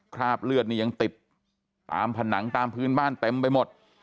คราบเลือดนี่ยังติดตามผนังตามพื้นบ้านเต็มไปหมด